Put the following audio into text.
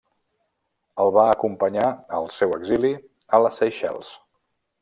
El va acompanyar al seu exili a les Seychelles.